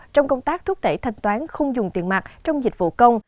trong công tác thúc đẩy thanh toán không dùng tiền mặt trong dịch vụ công